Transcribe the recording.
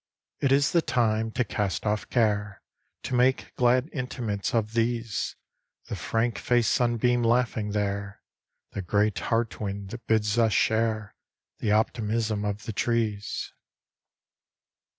It is the time to cast off care; To make glad intimates of these: The frank faced sunbeam laughing there; The great heart wind, that bids us share The optimism of the trees.